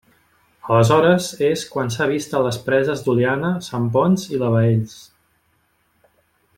Aleshores és quan s'ha vist a les preses d'Oliana, Sant Ponç i la Baells.